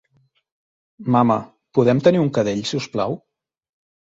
Mama, podem tenir un cadell, si us plau?